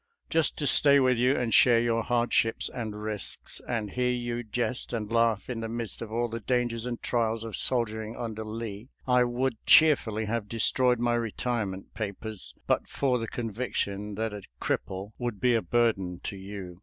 Just to stay with you and share your hardships and risks, and hear you jest and laugh in the midst of all the dangers and trials of soldiering under Lee, I would cheerfully have destroyed my retirement papers but for the con viction that a cripple would be a burden to you.